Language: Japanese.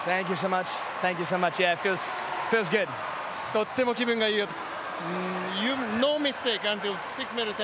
とっても気分がいいよと。